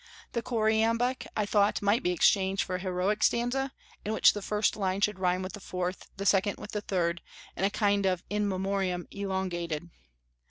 The choriambic I thought might be exchanged for a heroic stanza, in which the first line should rhyme with the fourth, the second with the third, a kind of "In Memoriam" elongated.